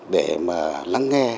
để mà lắng nghe